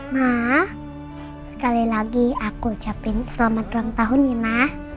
ma sekali lagi aku ucapin selamat ulang tahun ya ma